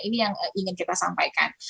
ini yang ingin kita sampaikan